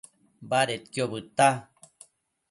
Badedquio bëdta